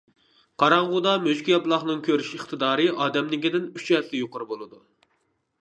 قاراڭغۇدا مۈشۈكياپىلاقنىڭ كۆرۈش ئىقتىدارى ئادەمنىڭكىدىن ئۈچ ھەسسە يۇقىرى بولىدۇ.